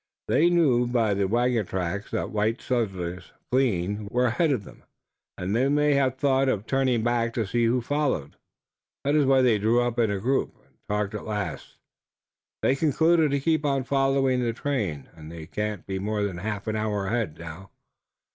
They knew by the wagon tracks that white settlers, fleeing, were ahead of them, and they may have thought of turning back to see who followed. That is why they drew up in a group, and talked. At last they concluded to keep on following the train, and they cannot be more than a half hour ahead now."